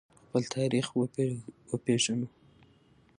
خپل تاریخ وپیژنو.